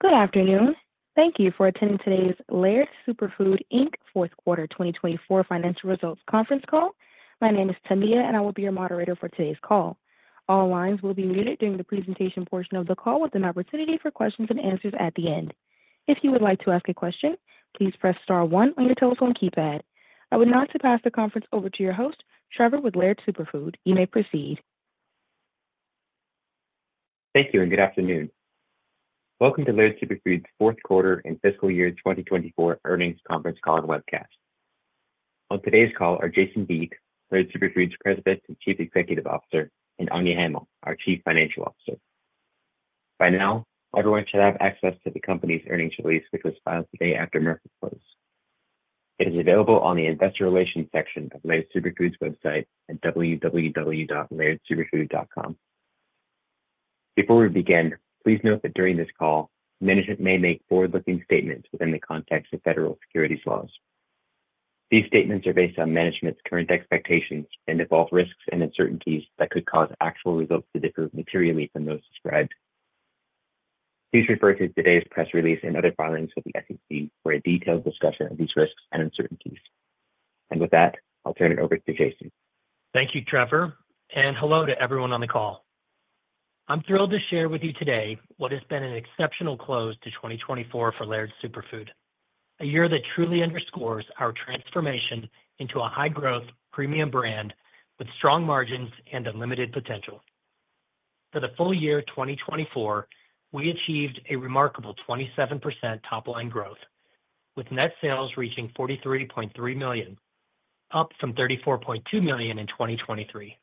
Good afternoon. Thank you for attending today's Laird Superfood Fourth Quarter 2024 Financial Results Conference Call. My name is Tamia, and I will be your moderator for today's call. All lines will be muted during the presentation portion of the call with an opportunity for questions and answers at the end. If you would like to ask a question, please press star one on your telephone keypad. I would now pass the conference over to your host, Trevor, with Laird Superfood. You may proceed. Thank you, and good afternoon. Welcome to Laird Superfood's Fourth Quarter and Fiscal Year 2024 Earnings Conference Call and Webcast. On today's call are Jason Vieth, Laird Superfood's President and Chief Executive Officer, and Anya Hamill, our Chief Financial Officer. By now, everyone should have access to the company's earnings release, which was filed today after market closed. It is available on the Investor Relations section of Laird Superfood's website at www.lairdsuperfood.com. Before we begin, please note that during this call, management may make forward-looking statements within the context of federal securities laws. These statements are based on management's current expectations and involve risks and uncertainties that could cause actual results to differ materially from those described. Please refer to today's press release and other filings with the SEC for a detailed discussion of these risks and uncertainties. With that, I'll turn it over to Jason. Thank you, Trevor, and hello to everyone on the call. I'm thrilled to share with you today what has been an exceptional close to 2024 for Laird Superfood, a year that truly underscores our transformation into a high-growth premium brand with strong margins and unlimited potential. For the full year 2024, we achieved a remarkable 27% top-line growth, with net sales reaching $43.3 million, up from $34.2 million in 2023.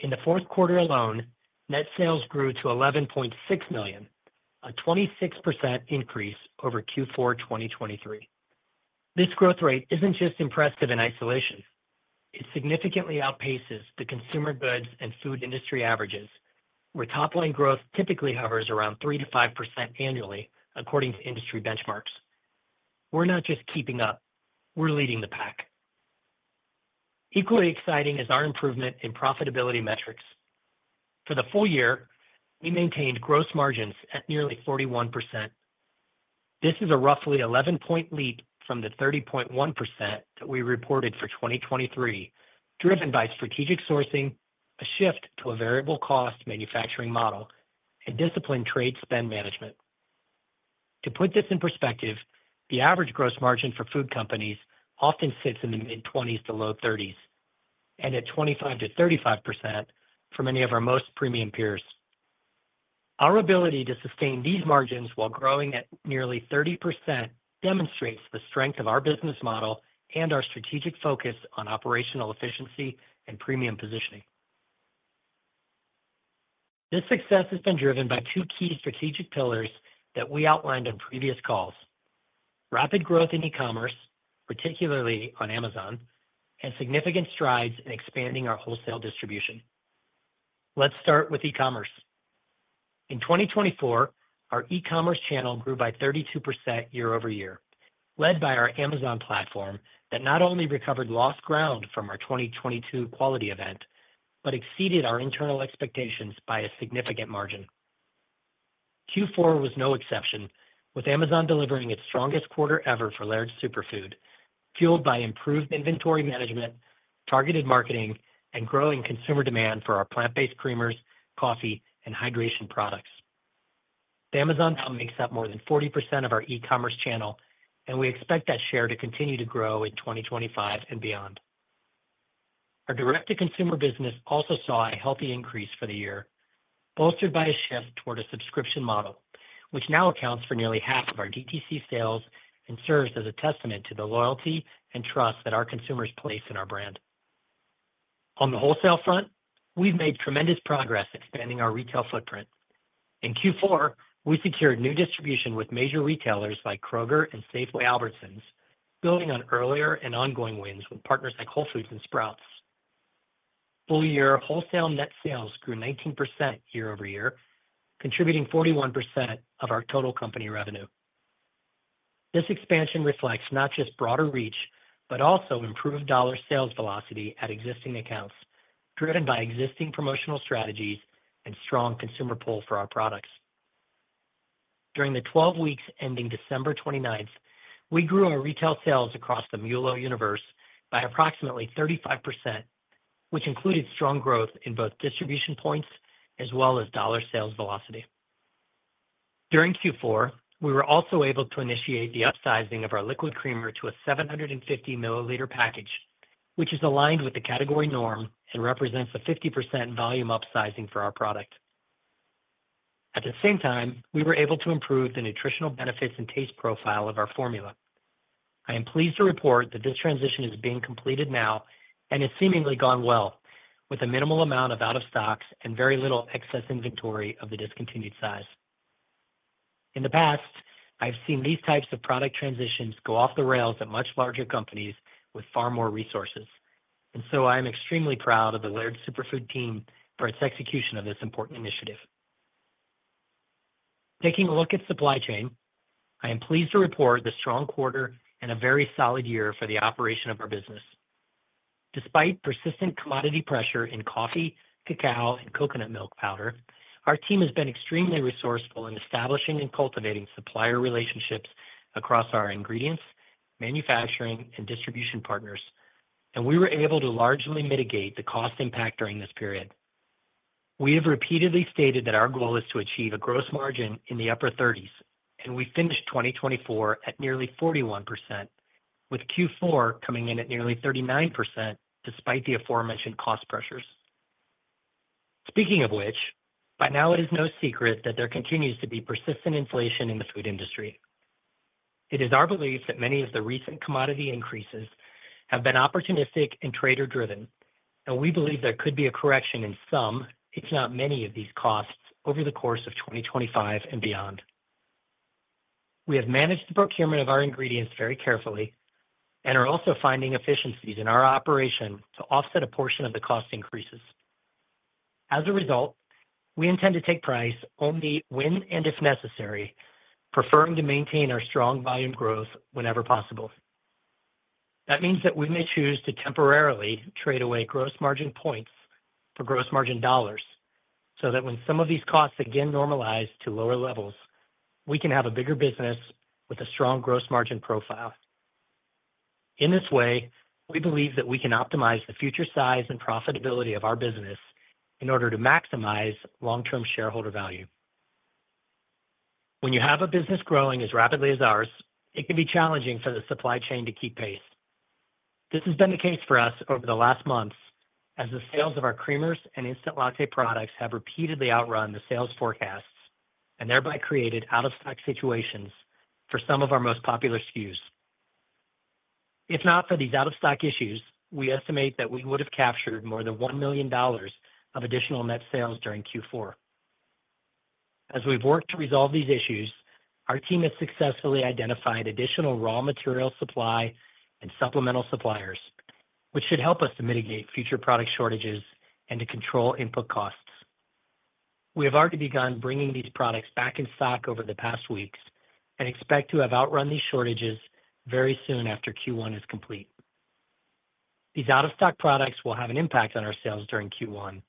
In the fourth quarter alone, net sales grew to $11.6 million, a 26% increase over Q4 2023. This growth rate isn't just impressive in isolation; it significantly outpaces the consumer goods and food industry averages, where top-line growth typically hovers around 3-5% annually, according to industry benchmarks. We're not just keeping up; we're leading the pack. Equally exciting is our improvement in profitability metrics. For the full year, we maintained gross margins at nearly 41%. This is a roughly 11-point leap from the 30.1% that we reported for 2023, driven by strategic sourcing, a shift to a variable-cost manufacturing model, and disciplined trade spend management. To put this in perspective, the average gross margin for food companies often sits in the mid-20s to low-30s, and at 25-35% for many of our most premium peers. Our ability to sustain these margins while growing at nearly 30% demonstrates the strength of our business model and our strategic focus on operational efficiency and premium positioning. This success has been driven by two key strategic pillars that we outlined on previous calls: rapid growth in e-commerce, particularly on Amazon, and significant strides in expanding our wholesale distribution. Let's start with e-commerce. In 2024, our e-commerce channel grew by 32% year-over-year, led by our Amazon platform that not only recovered lost ground from our 2022 quality event but exceeded our internal expectations by a significant margin. Q4 was no exception, with Amazon delivering its strongest quarter ever for Laird Superfood, fueled by improved inventory management, targeted marketing, and growing consumer demand for our plant-based creamers, coffee, and hydration products. Amazon now makes up more than 40% of our e-commerce channel, and we expect that share to continue to grow in 2025 and beyond. Our direct-to-consumer business also saw a healthy increase for the year, bolstered by a shift toward a subscription model, which now accounts for nearly half of our DTC sales and serves as a testament to the loyalty and trust that our consumers place in our brand. On the wholesale front, we've made tremendous progress expanding our retail footprint. In Q4, we secured new distribution with major retailers like Kroger and Safeway Albertsons, building on earlier and ongoing wins with partners like Whole Foods and Sprouts. Full-year wholesale net sales grew 19% year-over-year, contributing 41% of our total company revenue. This expansion reflects not just broader reach but also improved dollar sales velocity at existing accounts, driven by existing promotional strategies and strong consumer pull for our products. During the 12 weeks ending December 29, we grew our retail sales across the MULO universe by approximately 35%, which included strong growth in both distribution points as well as dollar sales velocity. During Q4, we were also able to initiate the upsizing of our liquid creamer to a 750-milliliter package, which is aligned with the category norm and represents a 50% volume upsizing for our product. At the same time, we were able to improve the nutritional benefits and taste profile of our formula. I am pleased to report that this transition is being completed now and has seemingly gone well, with a minimal amount of out-of-stocks and very little excess inventory of the discontinued size. In the past, I've seen these types of product transitions go off the rails at much larger companies with far more resources, and so I am extremely proud of the Laird Superfood team for its execution of this important initiative. Taking a look at supply chain, I am pleased to report the strong quarter and a very solid year for the operation of our business. Despite persistent commodity pressure in coffee, cacao, and coconut milk powder, our team has been extremely resourceful in establishing and cultivating supplier relationships across our ingredients, manufacturing, and distribution partners, and we were able to largely mitigate the cost impact during this period. We have repeatedly stated that our goal is to achieve a gross margin in the upper 30s, and we finished 2024 at nearly 41%, with Q4 coming in at nearly 39% despite the aforementioned cost pressures. Speaking of which, by now it is no secret that there continues to be persistent inflation in the food industry. It is our belief that many of the recent commodity increases have been opportunistic and trader-driven, and we believe there could be a correction in some, if not many, of these costs over the course of 2025 and beyond. We have managed the procurement of our ingredients very carefully and are also finding efficiencies in our operation to offset a portion of the cost increases. As a result, we intend to take price only when and if necessary, preferring to maintain our strong volume growth whenever possible. That means that we may choose to temporarily trade away gross margin points for gross margin dollars so that when some of these costs again normalize to lower levels, we can have a bigger business with a strong gross margin profile. In this way, we believe that we can optimize the future size and profitability of our business in order to maximize long-term shareholder value. When you have a business growing as rapidly as ours, it can be challenging for the supply chain to keep pace. This has been the case for us over the last months, as the sales of our creamers and instant latte products have repeatedly outrun the sales forecasts and thereby created out-of-stock situations for some of our most popular SKUs. If not for these out-of-stock issues, we estimate that we would have captured more than $1 million of additional net sales during Q4. As we've worked to resolve these issues, our team has successfully identified additional raw material supply and supplemental suppliers, which should help us to mitigate future product shortages and to control input costs. We have already begun bringing these products back in stock over the past weeks and expect to have outrun these shortages very soon after Q1 is complete. These out-of-stock products will have an impact on our sales during Q1,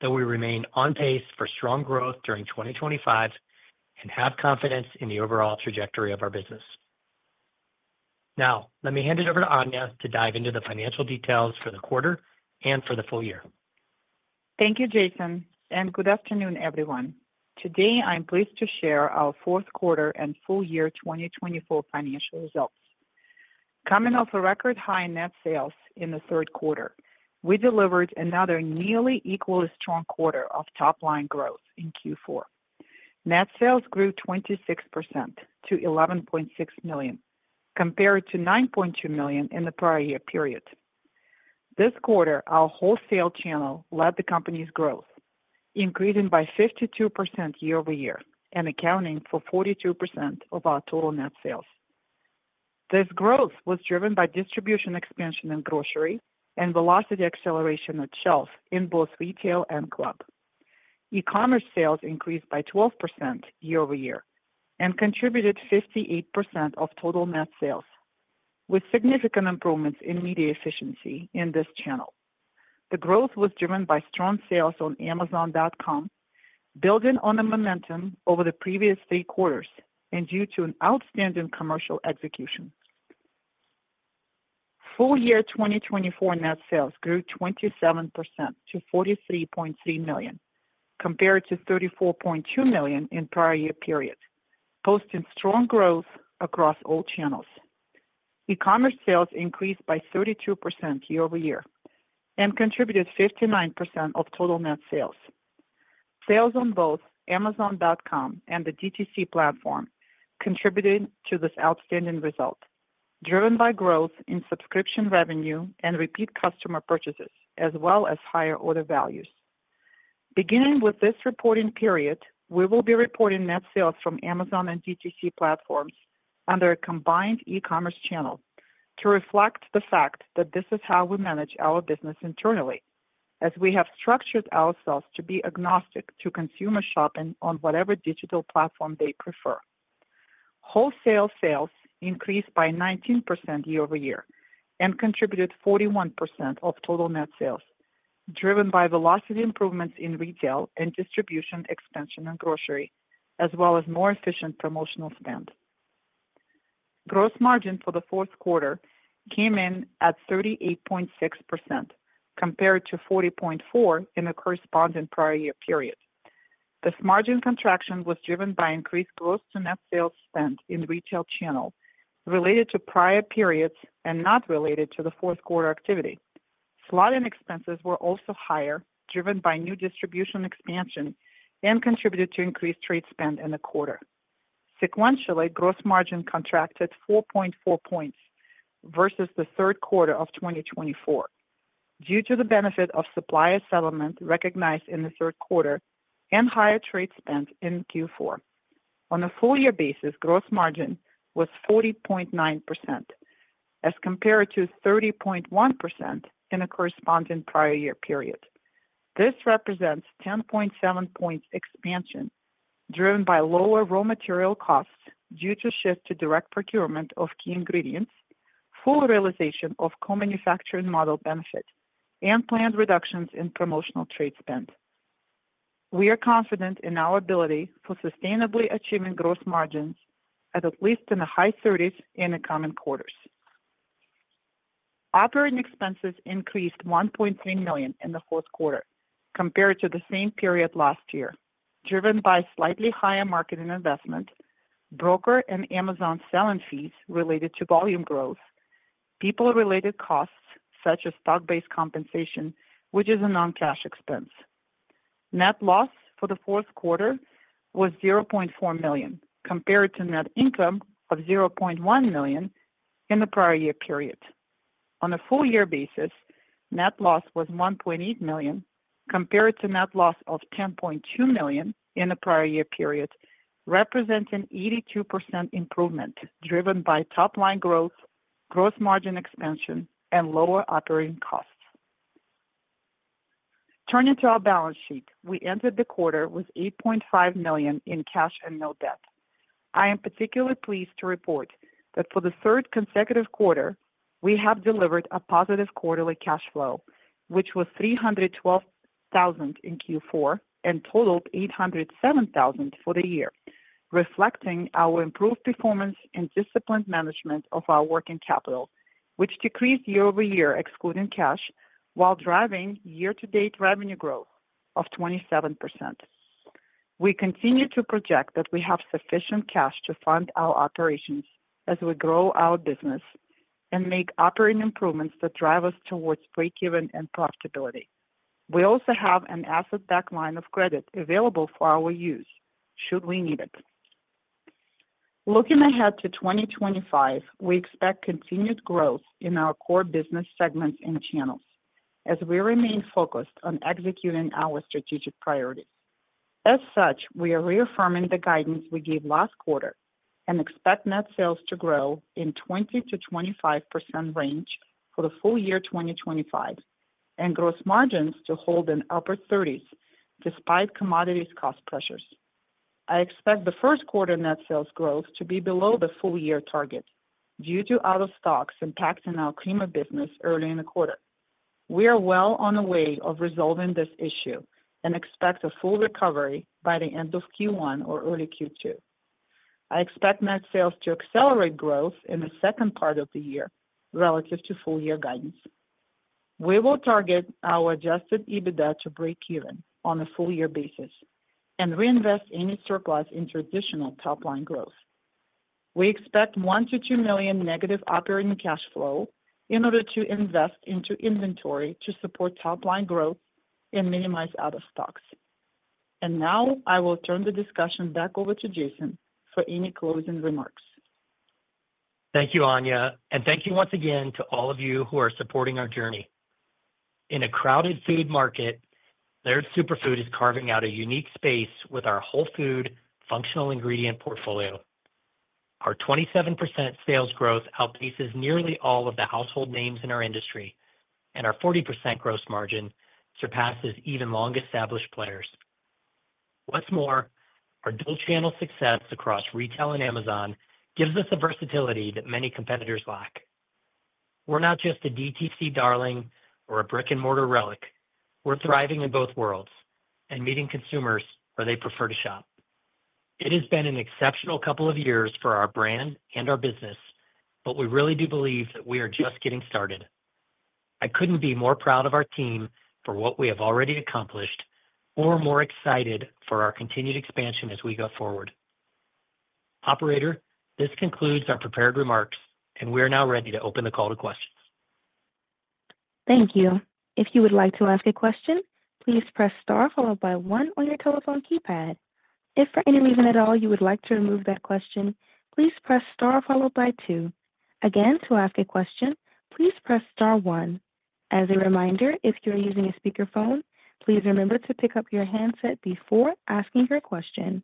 though we remain on pace for strong growth during 2025 and have confidence in the overall trajectory of our business. Now, let me hand it over to Anya to dive into the financial details for the quarter and for the full year. Thank you, Jason, and good afternoon, everyone. Today, I'm pleased to share our fourth quarter and full year 2024 financial results. Coming off a record high net sales in the third quarter, we delivered another nearly equally strong quarter of top-line growth in Q4. Net sales grew 26% to $11.6 million, compared to $9.2 million in the prior year period. This quarter, our wholesale channel led the company's growth, increasing by 52% year-over-year and accounting for 42% of our total net sales. This growth was driven by distribution expansion in grocery and velocity acceleration at shelf in both retail and club. E-commerce sales increased by 12% year-over-year and contributed 58% of total net sales, with significant improvements in media efficiency in this channel. The growth was driven by strong sales on Amazon, building on the momentum over the previous three quarters and due to an outstanding commercial execution. Full year 2024 net sales grew 27% to $43.3 million, compared to $34.2 million in prior year period, posting strong growth across all channels. E-commerce sales increased by 32% year-over-year and contributed 59% of total net sales. Sales on both Amazon.com and the DTC platform contributed to this outstanding result, driven by growth in subscription revenue and repeat customer purchases, as well as higher order values. Beginning with this reporting period, we will be reporting net sales from Amazon and DTC platforms under a combined e-commerce channel to reflect the fact that this is how we manage our business internally, as we have structured ourselves to be agnostic to consumer shopping on whatever digital platform they prefer. Wholesale sales increased by 19% year-over-year and contributed 41% of total net sales, driven by velocity improvements in retail and distribution expansion in grocery, as well as more efficient promotional spend. Gross margin for the fourth quarter came in at 38.6%, compared to 40.4% in the corresponding prior year period. This margin contraction was driven by increased gross-to-net sales spend in retail channel related to prior periods and not related to the fourth quarter activity slotting expenses were also higher, driven by new distribution expansion, and contributed to increased trade spend in the quarter. Sequentially, gross margin contracted 4.4 percentage points versus the third quarter of 2024, due to the benefit of supply settlement recognized in the third quarter and higher trade spend in Q4. On a full-year basis, gross margin was 40.9%, as compared to 30.1% in a corresponding prior year period. This represents 10.7 percentage points expansion, driven by lower raw material costs due to shift to direct procurement of key ingredients, full realization of co-manufacturing model benefit, and planned reductions in promotional trade spend. We are confident in our ability for sustainably achieving gross margins at at least in the high 30s in the coming quarters. Operating expenses increased $1.3 million in the fourth quarter, compared to the same period last year, driven by slightly higher marketing investment, broker and Amazon selling fees related to volume growth, people-related costs such as stock-based compensation, which is a non-cash expense. Net loss for the fourth quarter was $0.4 million, compared to net income of $0.1 million in the prior year period. On a full-year basis, net loss was $1.8 million, compared to net loss of $10.2 million in the prior year period, representing 82% improvement driven by top-line growth, gross margin expansion, and lower operating costs. Turning to our balance sheet, we ended the quarter with $8.5 million in cash and no debt. I am particularly pleased to report that for the third consecutive quarter, we have delivered a positive quarterly cash flow, which was $312,000 in Q4 and totaled $807,000 for the year, reflecting our improved performance and disciplined management of our working capital, which decreased year-over-year excluding cash while driving year-to-date revenue growth of 27%. We continue to project that we have sufficient cash to fund our operations as we grow our business and make operating improvements that drive us towards break-even and profitability. We also have an asset-backed line of credit available for our use should we need it. Looking ahead to 2025, we expect continued growth in our core business segments and channels as we remain focused on executing our strategic priorities. As such, we are reaffirming the guidance we gave last quarter and expect net sales to grow in the 20%-25% range for the full year 2025 and gross margins to hold in the upper 30s despite commodities cost pressures. I expect the first quarter net sales growth to be below the full-year target due to out-of-stocks impacting our creamer business early in the quarter. We are well on the way of resolving this issue and expect a full recovery by the end of Q1 or early Q2. I expect net sales to accelerate growth in the second part of the year relative to full-year guidance. We will target our adjusted EBITDA to break even on a full-year basis and reinvest any surplus in traditional top-line growth. We expect $1 million-$2 million negative operating cash flow in order to invest into inventory to support top-line growth and minimize out-of-stocks. I will turn the discussion back over to Jason for any closing remarks. Thank you, Anya. Thank you once again to all of you who are supporting our journey. In a crowded food market, Laird Superfood is carving out a unique space with our whole food functional ingredient portfolio. Our 27% sales growth outpaces nearly all of the household names in our industry, and our 40% gross margin surpasses even long-established players. What's more, our dual-channel success across retail and Amazon gives us a versatility that many competitors lack. We're not just a DTC darling or a brick-and-mortar relic. We're thriving in both worlds and meeting consumers where they prefer to shop. It has been an exceptional couple of years for our brand and our business, but we really do believe that we are just getting started. I couldn't be more proud of our team for what we have already accomplished or more excited for our continued expansion as we go forward. Operator, this concludes our prepared remarks, and we are now ready to open the call to questions. Thank you. If you would like to ask a question, please press star followed by one on your telephone keypad. If for any reason at all you would like to remove that question, please press star followed by two. Again, to ask a question, please press star one. As a reminder, if you're using a speakerphone, please remember to pick up your handset before asking your question.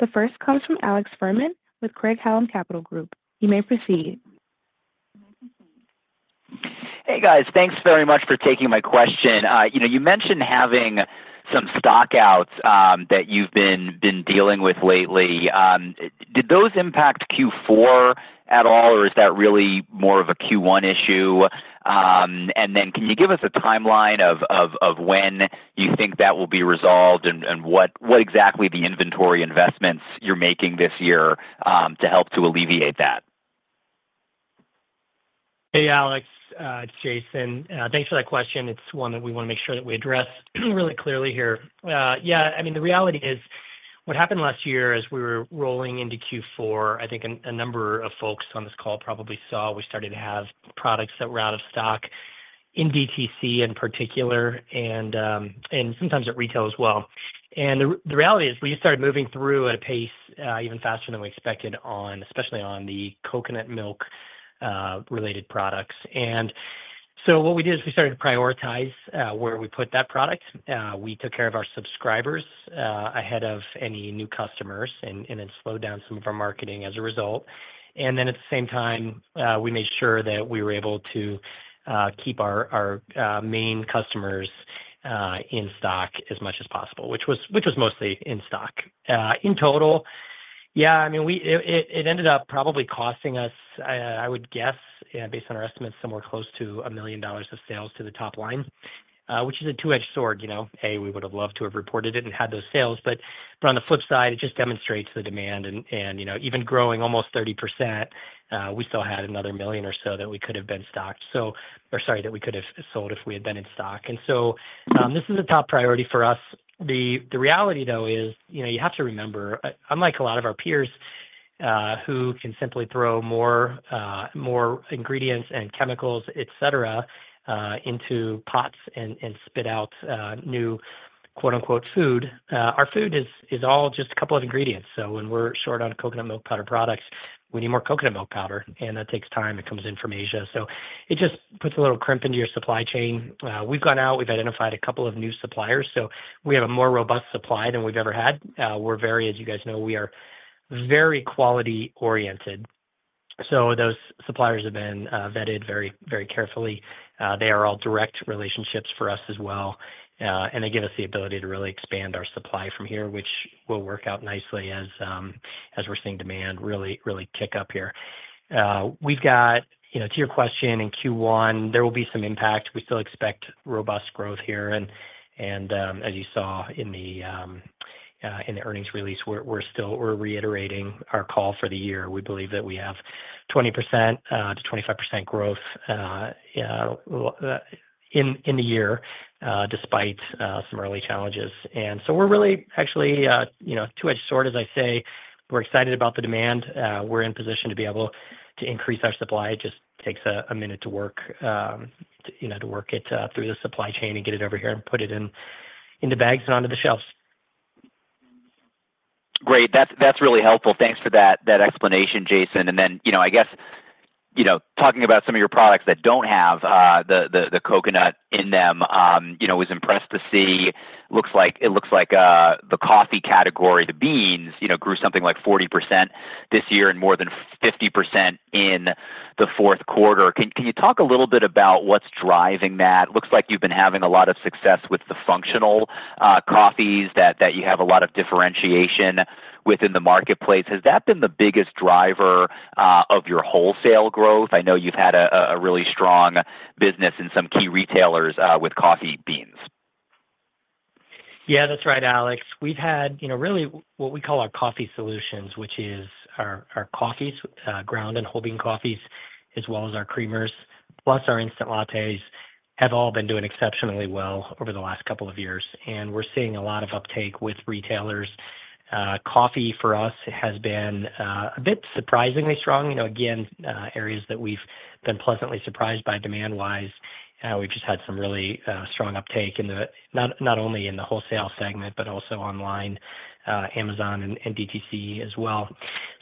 The first comes from Alex Fuhrman with Craig-Hallum Capital Group. You may proceed. Hey, guys. Thanks very much for taking my question. You mentioned having some stockouts that you've been dealing with lately. Did those impact Q4 at all, or is that really more of a Q1 issue? Can you give us a timeline of when you think that will be resolved and what exactly the inventory investments you're making this year to help to alleviate that? Hey, Alex. It's Jason. Thanks for that question. It's one that we want to make sure that we address really clearly here. I mean, the reality is what happened last year as we were rolling into Q4, I think a number of folks on this call probably saw we started to have products that were out of stock in DTC in particular and sometimes at retail as well. The reality is we just started moving through at a pace even faster than we expected, especially on the coconut milk-related products. What we did is we started to prioritize where we put that product. We took care of our subscribers ahead of any new customers and then slowed down some of our marketing as a result. At the same time, we made sure that we were able to keep our main customers in stock as much as possible, which was mostly in stock. In total, I mean, it ended up probably costing us, I would guess, based on our estimates, somewhere close to $1 million of sales to the top line, which is a two-edged sword. A, we would have loved to have reported it and had those sales. On the flip side, it just demonstrates the demand. Even growing almost 30%, we still had another $1 million or so that we could have sold if we had been in stock. This is a top priority for us. The reality, though, is you have to remember, unlike a lot of our peers who can simply throw more ingredients and chemicals, etc., into pots and spit out new "food," our food is all just a couple of ingredients. When we're short on coconut milk powder products, we need more coconut milk powder. That takes time. It comes in from Asia. It just puts a little crimp into your supply chain. We've gone out. We've identified a couple of new suppliers. We have a more robust supply than we've ever had. We're very, as you guys know, we are very quality-oriented. Those suppliers have been vetted very carefully. They are all direct relationships for us as well. They give us the ability to really expand our supply from here, which will work out nicely as we're seeing demand really kick up here. We've got, to your question, in Q1, there will be some impact. We still expect robust growth here. As you saw in the earnings release, we're reiterating our call for the year. We believe that we have 20%-25% growth in the year despite some early challenges. We're really actually a two-edged sword, as I say. We're excited about the demand. We're in position to be able to increase our supply. It just takes a minute to work it through the supply chain and get it over here and put it into bags and onto the shelves. Great. That's really helpful. Thanks for that explanation, Jason. I guess talking about some of your products that don't have the coconut in them, I was impressed to see it looks like the coffee category, the beans, grew something like 40% this year and more than 50% in the fourth quarter. Can you talk a little bit about what's driving that? Looks like you've been having a lot of success with the functional coffees that you have a lot of differentiation with in the marketplace. Has that been the biggest driver of your wholesale growth? I know you've had a really strong business in some key retailers with coffee beans. Yeah, that's right, Alex. We've had really what we call our coffee solutions, which is our coffees, ground and whole bean coffees, as well as our creamers, plus our instant lattes, have all been doing exceptionally well over the last couple of years. We're seeing a lot of uptake with retailers. Coffee, for us, has been a bit surprisingly strong. Again, areas that we've been pleasantly surprised by demand-wise. We've just had some really strong uptake not only in the wholesale segment but also online, Amazon, and DTC as well.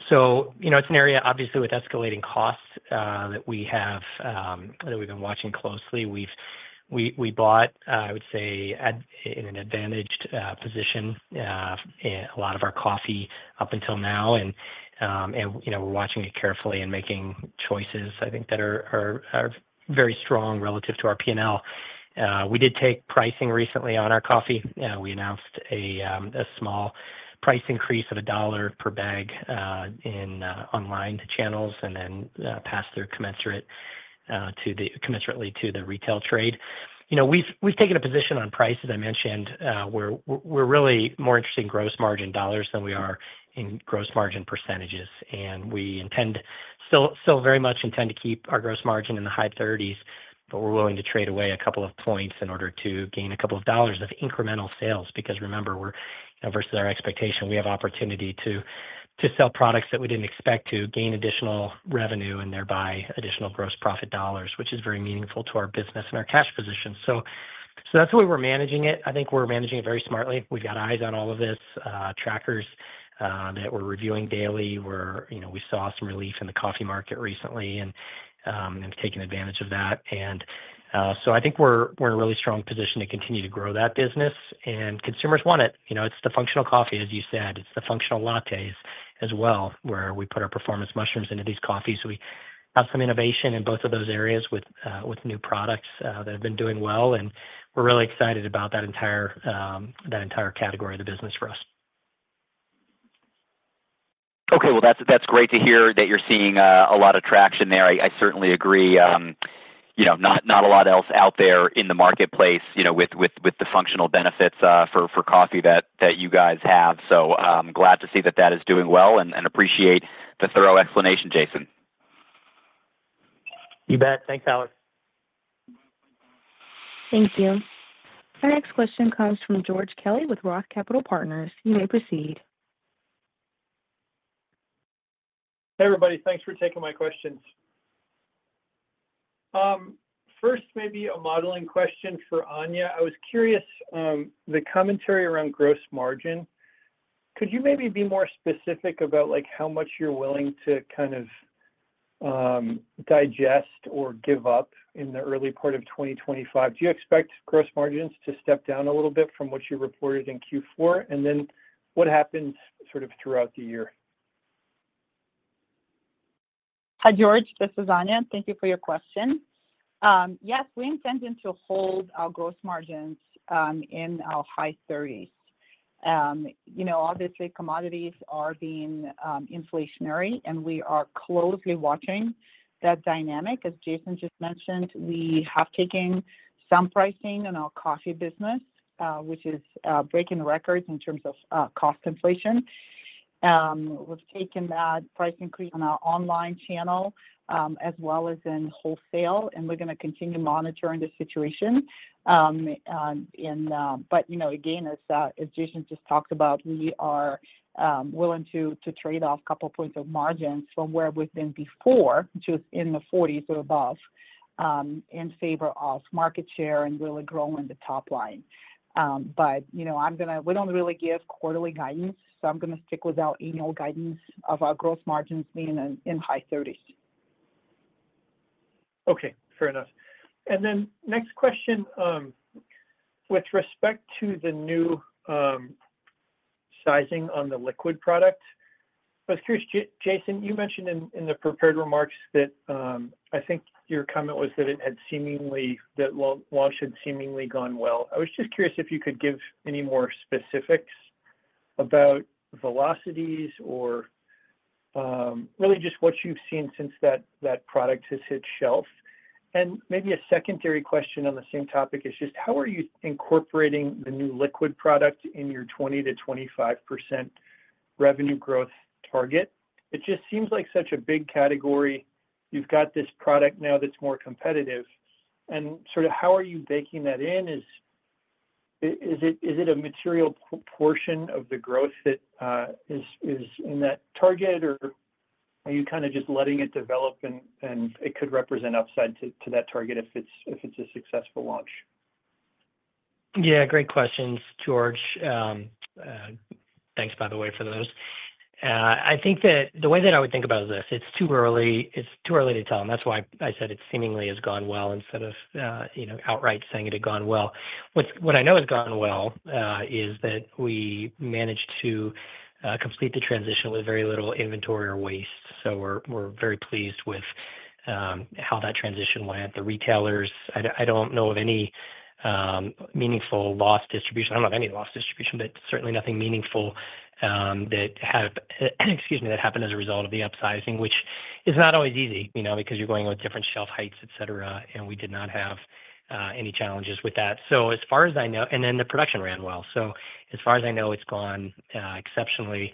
It's an area, obviously, with escalating costs that we have that we've been watching closely. We bought, I would say, in an advantaged position a lot of our coffee up until now. We're watching it carefully and making choices, I think, that are very strong relative to our P&L. We did take pricing recently on our coffee. We announced a small price increase of a dollar per bag online channels and then passed through commensurately to the retail trade. We have taken a position on price, as I mentioned. We are really more interested in gross margin dollars than we are in gross margin percentages. We still very much intend to keep our gross margin in the high 30s, but we are willing to trade away a couple of points in order to gain a couple of dollars of incremental sales because, remember, versus our expectation, we have opportunity to sell products that we did not expect to gain additional revenue and thereby additional gross profit dollars, which is very meaningful to our business and our cash position. That is the way we are managing it. I think we are managing it very smartly. We have got eyes on all of this, trackers that we are reviewing daily. We saw some relief in the coffee market recently and have taken advantage of that. I think we're in a really strong position to continue to grow that business. Consumers want it. It's the functional coffee, as you said. It's the functional lattes as well, where we put our performance mushrooms into these coffees. We have some innovation in both of those areas with new products that have been doing well. We're really excited about that entire category of the business for us. Okay. That is great to hear that you're seeing a lot of traction there. I certainly agree. Not a lot else out there in the marketplace with the functional benefits for coffee that you guys have. I am glad to see that that is doing well and appreciate the thorough explanation, Jason. You bet. Thanks, Alex. Thank you. Our next question comes from George Kelly with Roth Capital Partners. You may proceed. Hey, everybody. Thanks for taking my questions. First, maybe a modeling question for Anya. I was curious, the commentary around gross margin, could you maybe be more specific about how much you're willing to kind of digest or give up in the early part of 2025? Do you expect gross margins to step down a little bit from what you reported in Q4? What happens sort of throughout the year? Hi, George. This is Anya. Thank you for your question. Yes, we intend to hold our gross margins in our high 30s. Obviously, commodities are being inflationary, and we are closely watching that dynamic. As Jason just mentioned, we have taken some pricing on our coffee business, which is breaking records in terms of cost inflation. We have taken that price increase on our online channel as well as in wholesale. We are going to continue monitoring the situation. As Jason just talked about, we are willing to trade off a couple of points of margins from where we have been before, which was in the 40s or above, in favor of market share and really growing the top line. I am going to say we do not really give quarterly guidance, so I am going to stick with our annual guidance of our gross margins being in high 30s. Okay. Fair enough. Next question, with respect to the new sizing on the liquid product, I was curious, Jason, you mentioned in the prepared remarks that I think your comment was that it had seemingly, that launch had seemingly gone well. I was just curious if you could give any more specifics about velocities or really just what you've seen since that product has hit shelf. Maybe a secondary question on the same topic is just how are you incorporating the new liquid product in your 20-25% revenue growth target? It just seems like such a big category. You've got this product now that's more competitive. Sort of how are you baking that in? Is it a material portion of the growth that is in that target, or are you kind of just letting it develop, and it could represent upside to that target if it's a successful launch? Yeah. Great questions, George. Thanks, by the way, for those. I think that the way that I would think about this, it's too early to tell. That is why I said it seemingly has gone well instead of outright saying it had gone well. What I know has gone well is that we managed to complete the transition with very little inventory or waste. We are very pleased with how that transition went. The retailers, I do not know of any meaningful loss distribution. I do not have any loss distribution, but certainly nothing meaningful that happened as a result of the upsizing, which is not always easy because you are going with different shelf heights, etc. We did not have any challenges with that. As far as I know, the production ran well. As far as I know, it has gone exceptionally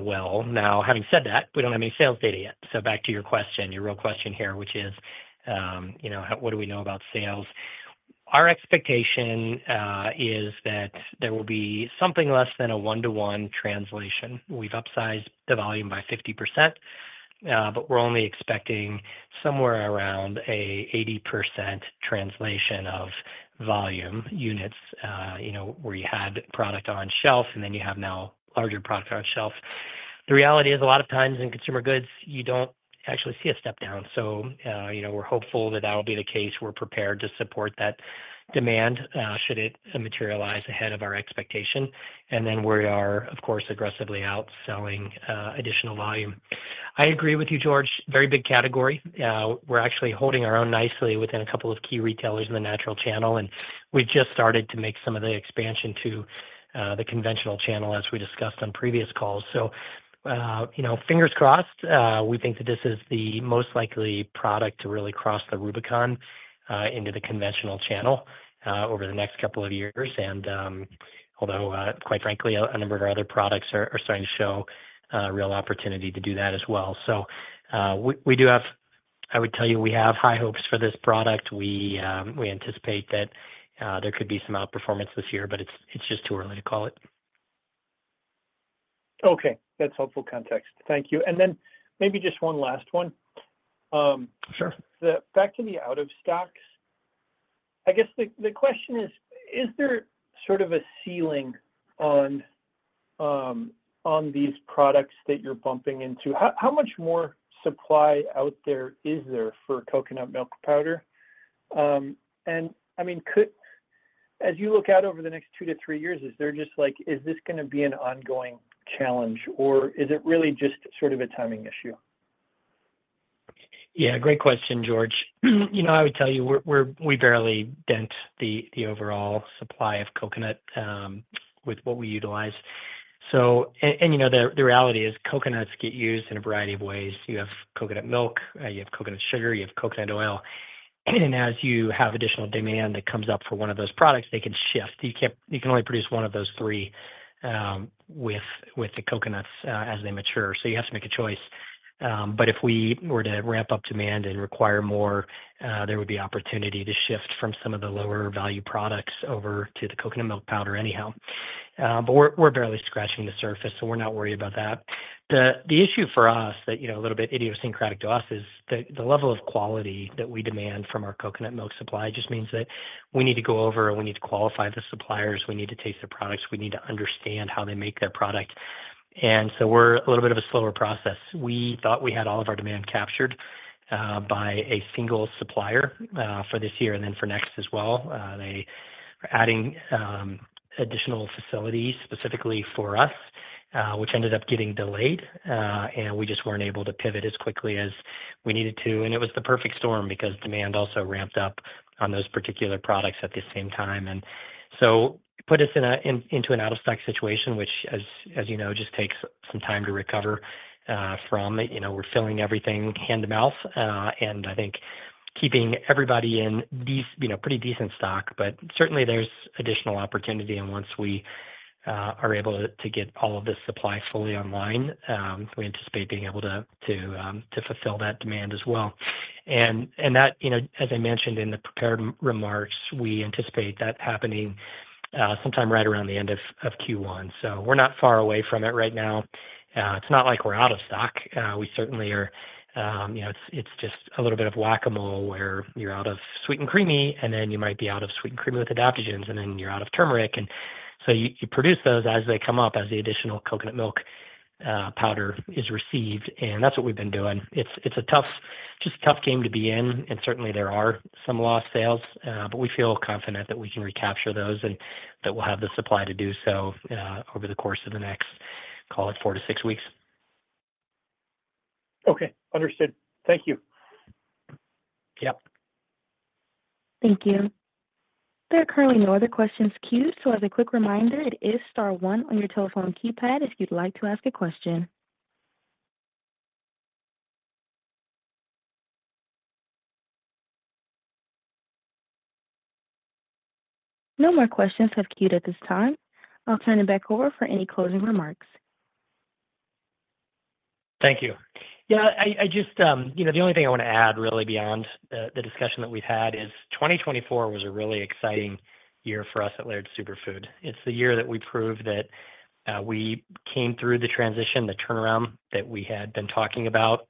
well. Now, having said that, we don't have any sales data yet. Back to your question, your real question here, which is, what do we know about sales? Our expectation is that there will be something less than a one-to-one translation. We've upsized the volume by 50%, but we're only expecting somewhere around an 80% translation of volume units where you had product on shelf and then you have now larger product on shelf. The reality is a lot of times in consumer goods, you don't actually see a step down. We are hopeful that that will be the case. We are prepared to support that demand should it materialize ahead of our expectation. We are, of course, aggressively outselling additional volume. I agree with you, George. Very big category. We are actually holding our own nicely within a couple of key retailers in the natural channel. We have just started to make some of the expansion to the conventional channel, as we discussed on previous calls. Fingers crossed, we think that this is the most likely product to really cross the Rubicon into the conventional channel over the next couple of years. Although, quite frankly, a number of our other products are starting to show real opportunity to do that as well. We do have, I would tell you, high hopes for this product. We anticipate that there could be some outperformance this year, but it is just too early to call it. Okay. That's helpful context. Thank you. Maybe just one last one. Sure. Back to the out-of-stocks. I guess the question is, is there sort of a ceiling on these products that you're bumping into? How much more supply out there is there for coconut milk powder? I mean, as you look out over the next two to three years, is there just like, is this going to be an ongoing challenge, or is it really just sort of a timing issue? Yeah. Great question, George. I would tell you, we barely dent the overall supply of coconut with what we utilize. The reality is coconuts get used in a variety of ways. You have coconut milk, you have coconut sugar, you have coconut oil. As you have additional demand that comes up for one of those products, they can shift. You can only produce one of those three with the coconuts as they mature. You have to make a choice. If we were to ramp up demand and require more, there would be opportunity to shift from some of the lower-value products over to the coconut milk powder anyhow. We are barely scratching the surface, so we are not worried about that. The issue for us, a little bit idiosyncratic to us, is the level of quality that we demand from our coconut milk supply just means that we need to go over, we need to qualify the suppliers, we need to taste the products, we need to understand how they make their product. We are a little bit of a slower process. We thought we had all of our demand captured by a single supplier for this year and then for next as well. They were adding additional facilities specifically for us, which ended up getting delayed, and we just were not able to pivot as quickly as we needed to. It was the perfect storm because demand also ramped up on those particular products at the same time. It put us into an out-of-stock situation, which, as you know, just takes some time to recover from. We're filling everything hand to mouth. I think keeping everybody in pretty decent stock, but certainly there's additional opportunity. Once we are able to get all of this supply fully online, we anticipate being able to fulfill that demand as well. As I mentioned in the prepared remarks, we anticipate that happening sometime right around the end of Q1. We're not far away from it right now. It's not like we're out of stock. We certainly are; it's just a little bit of Whac-A-Mole where you're out of Sweet and Creamy, and then you might be out of Sweet and Creamy with Adaptogens, and then you're out of turmeric. You produce those as they come up as the additional coconut milk powder is received. That's what we've been doing. It's just a tough game to be in. Certainly, there are some lost sales, but we feel confident that we can recapture those and that we'll have the supply to do so over the course of the next, call it, four to six weeks. Okay. Understood. Thank you. Yep. Thank you. There are currently no other questions queued. As a quick reminder, it is star one on your telephone keypad if you'd like to ask a question. No more questions have queued at this time. I'll turn it back over for any closing remarks. Thank you. Yeah. The only thing I want to add really beyond the discussion that we've had is 2024 was a really exciting year for us at Laird Superfood. It's the year that we proved that we came through the transition, the turnaround that we had been talking about,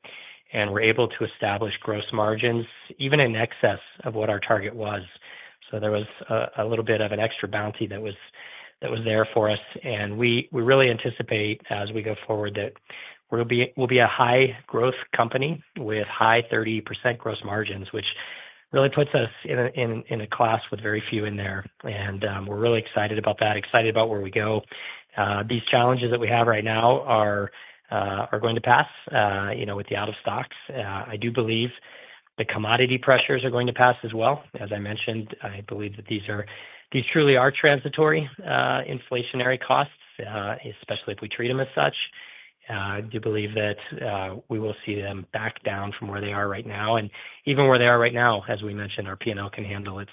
and were able to establish gross margins even in excess of what our target was. There was a little bit of an extra bounty that was there for us. We really anticipate as we go forward that we'll be a high-growth company with high 30% gross margins, which really puts us in a class with very few in there. We're really excited about that, excited about where we go. These challenges that we have right now are going to pass with the out-of-stocks. I do believe the commodity pressures are going to pass as well. As I mentioned, I believe that these truly are transitory inflationary costs, especially if we treat them as such. I do believe that we will see them back down from where they are right now. Even where they are right now, as we mentioned, our P&L can handle it.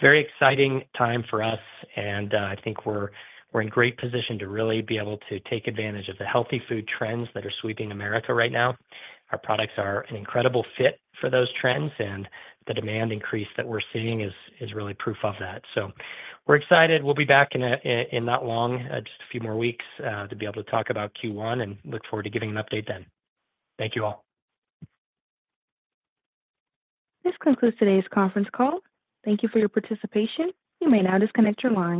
Very exciting time for us. I think we're in great position to really be able to take advantage of the healthy food trends that are sweeping America right now. Our products are an incredible fit for those trends. The demand increase that we're seeing is really proof of that. We're excited. We'll be back in not long, just a few more weeks, to be able to talk about Q1 and look forward to giving an update then. Thank you all. This concludes today's conference call. Thank you for your participation. You may now disconnect your line.